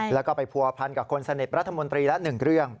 แล้วก็ไปผัวพันกับคนสนิทรัฐมนตรีละ๑เรื่อง